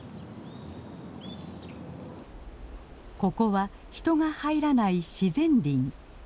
ここは人が入らない自然林。